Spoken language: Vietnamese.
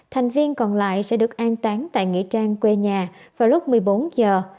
thành viên còn lại sẽ được an tán tại nghĩa trang quê nhà vào lúc một mươi bốn giờ